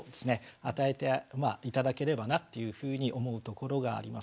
与えて頂ければなっていうふうに思うところがあります。